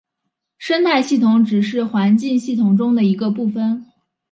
生态系统只是环境系统中的一个部分。